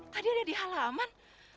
tadi ada di halaman